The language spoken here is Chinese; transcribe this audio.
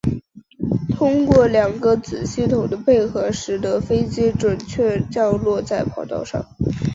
通过两个子系统的配合使得飞机准确降落在跑道上。